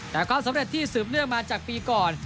แต่ความสำเร็จที่สืบเนื่องมาจากปีก่อน